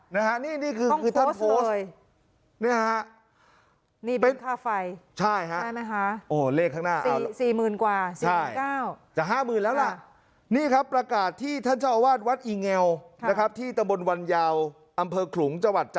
นะฮะนี่นี่คือคือต้องโพสต์เลยนี่ฮะหนี้เป็นค่าไฟใช่ฮะ